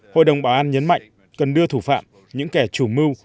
hội đồng bảo an nhấn mạnh cần đưa thủ phạm những kẻ chủ mưu